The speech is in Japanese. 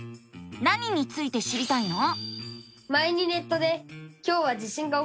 何について知りたいの？